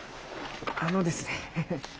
あのですね